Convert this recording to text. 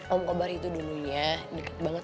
om kobar itu dulunya deket banget